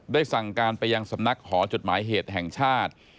สั่งการไปยังสำนักหอจดหมายเหตุแห่งชาติ